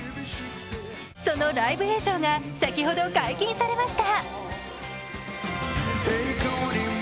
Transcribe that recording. そのライブ映像が先ほど解禁されました。